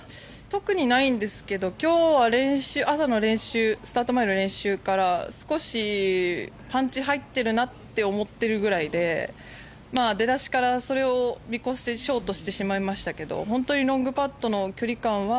特にないんですけど今日は朝のスタート前の練習から少しパンチ入ってるなって思ってるくらいで出だしからそれを見越してショートしてしまいましたけど本当にロングパットの距離感は